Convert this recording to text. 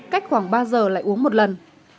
cách khoảng ba giờ lại uống một lần